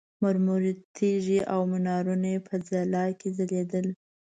مرمرو تیږې او منارونه یې په ځلا کې ځلېدل.